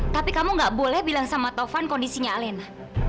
tapi kamu gak boleh bilang sama tovan kondisinya alena